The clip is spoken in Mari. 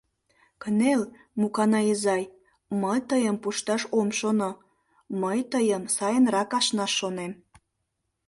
Кынел, Муканай изай, мый тыйым пушташ ом шоно, мый тыйым сайынрак ашнаш шонем.